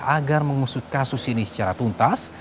agar mengusut kasus ini secara tuntas